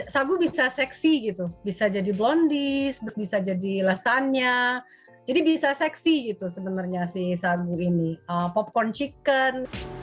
sagu bisa seksi gitu bisa jadi blondis bisa jadi lesannya jadi bisa seksi gitu sebenarnya si sagu ini popcorn chicken